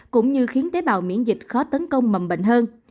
cũng như khiến tế bào miễn dịch khó tấn công mầm bệnh hơn